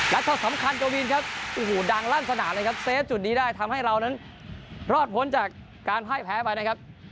และโทษสำคัญกวินครับโอ้โหดังลั่นสนามเลยครับเซฟจุดนี้ได้ทำให้เรานั้นรอดพ้นจากการพ่ายแพ้ไปนะครับ